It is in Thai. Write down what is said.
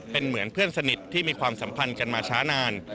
เป็นเหมือนเพื่อนสนิทที่มีความสัมพันธ์กันมาช้านาน